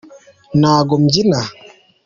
ntago mbyina.